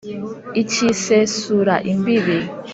Ikisesura imbibi,